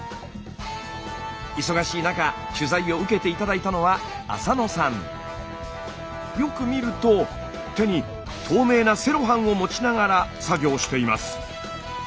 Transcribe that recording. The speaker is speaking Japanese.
忙しい中取材を受けて頂いたのはよく見ると手に透明なセロハンを持ちながら作業しています。